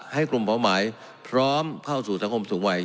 ให้กลุ่มเป้าหมายพร้อมเข้าสู่สังคมสูงวัย